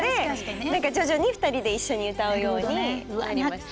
徐々に二人で一緒に歌うようになりました。